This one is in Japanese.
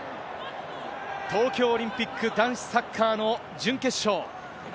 東京オリンピック男子サッカーの準決勝。